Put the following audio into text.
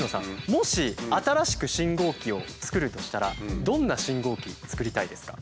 もし新しく信号機を作るとしたらどんな信号機作りたいですか？